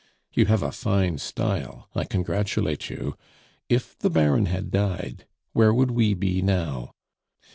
You have a fine style I congratulate you! If the Baron had died, where should we be now?